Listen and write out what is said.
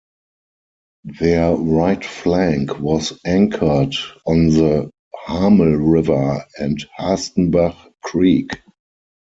Their right flank was anchored on the Hamel river and Hastenbach creek.